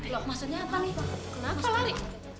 lok maksudnya apa nih kenapa lari